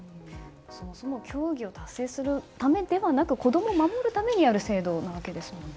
そもそも教義を達成するためではなく子供を守るためにやる制度なわけですもんね。